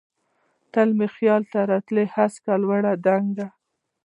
ته مي خیال ته راتلی هسکه، لوړه، دنګه